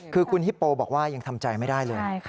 คือคุณฮิปโปบอกว่ายังทำใจไม่ได้เลย